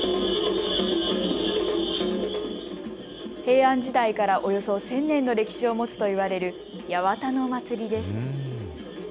平安時代からおよそ１０００年の歴史を持つといわれる八幡のまつりです。